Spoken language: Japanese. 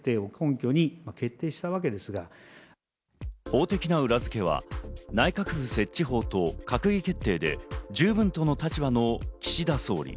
法的な裏付けは内閣府設置法と閣議決定で十分との立場の岸田総理。